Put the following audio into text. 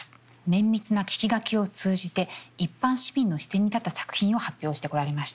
綿密な聞き書きを通じて一般市民の視点に立った作品を発表してこられました。